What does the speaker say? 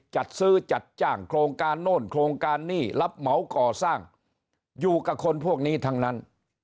จัดซื้อจัดจ้างโครงการโน่นโครงการหนี้รับเหมาก่อสร้างอยู่กับคนพวกนี้ทั้งนั้น